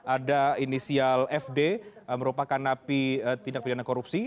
ada inisial fd merupakan napi tindak pidana korupsi